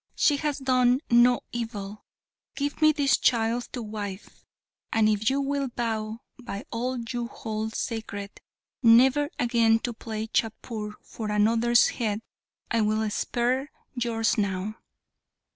She has done no evil. Give me this child to wife; and if you will vow, by all you hold sacred, never again to play chaupur for another's head, I will spare yours now!"